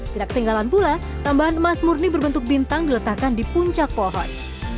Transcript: tidak ketinggalan pula tambahan emas murni berbentuk bintang diletakkan di puncak pohon